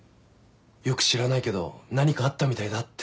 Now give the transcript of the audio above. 「よく知らないけど何かあったみたいだ」って。